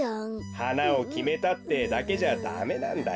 はなをきめたってだけじゃダメなんだよ。